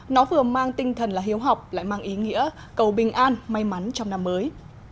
nó vừa mang tinh thần là hiếu học lại mang ý nghĩa cầu bình an may mắn trong năm mới